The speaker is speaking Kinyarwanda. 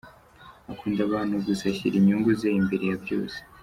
Akunda abantu gusa ashyira inyungu ze imbere ya byose.